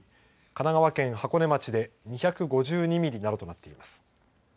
神奈川県箱根町で２５２ミリなどとなっています。